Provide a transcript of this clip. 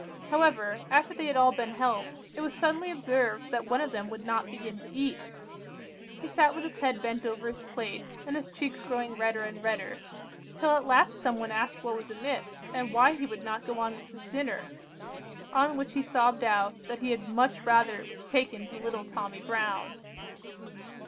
However, after they had all been helped, it was suddenly observed that one of them would not begin to eat. He sat with his head bent over his plate, and his cheeks growing redder and redder, till at last some one asked what was amiss, and why he would not go on with his dinner, on which he sobbed out that he had 'much rather it was taken to little Tommy Brown!